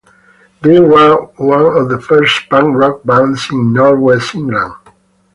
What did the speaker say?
They were one of the first punk rock bands in North West England.